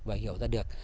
và hiểu ra được